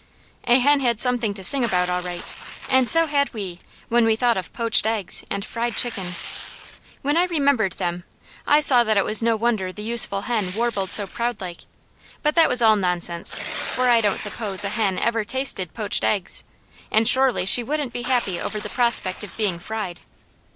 A hen had something to sing about all right, and so had we, when we thought of poached eggs and fried chicken. When I remembered them, I saw that it was no wonder the useful hen warbled so proudlike; but that was all nonsense, for I don't suppose a hen ever tasted poached eggs, and surely she wouldn't be happy over the prospect of being fried.